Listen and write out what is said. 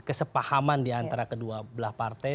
kesepahaman di antara kedua belah partai